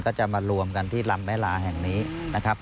ก็จะมารวมกันที่ลำแม่ลาแห่งนี้นะครับ